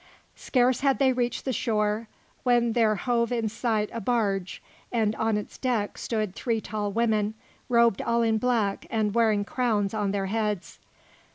Scarce had they reached the shore when there hove in sight a barge, and on its deck stood three tall women, robed all in black and wearing crowns on their heads.